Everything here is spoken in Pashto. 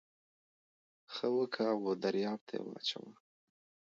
ښه وکه و درياب ته يې واچوه.